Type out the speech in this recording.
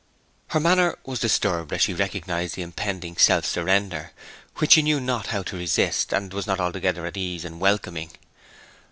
Her manner was disturbed as she recognized the impending self surrender, which she knew not how to resist, and was not altogether at ease in welcoming.